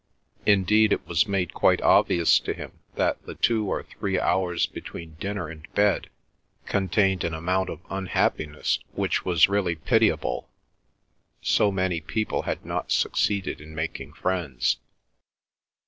Indeed it was made quite obvious to him that the two or three hours between dinner and bed contained an amount of unhappiness, which was really pitiable, so many people had not succeeded in making friends.